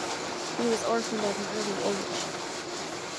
He was orphaned at an early age.